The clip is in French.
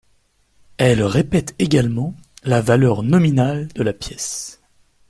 Elles répètent également la valeur nominale de la pièces.